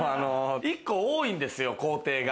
１個多いんですよ、工程が。